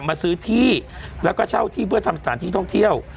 มาซื้อที่แล้วก็เช่าที่เพื่อทำสถานที่ท่องเที่ยว